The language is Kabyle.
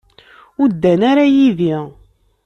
Ur ddan ara yid-i.